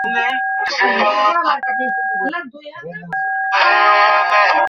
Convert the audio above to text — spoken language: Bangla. এতে অভিনয়ের জন্য তিনি চতুর্থবারের মত শ্রেষ্ঠ চলচ্চিত্র অভিনেত্রী বিভাগে মেরিল-প্রথম আলো পুরস্কারের মনোনয়ন লাভ করেন।